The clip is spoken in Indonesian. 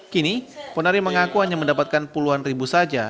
kini ponari mengaku hanya mendapatkan puluhan ribu saja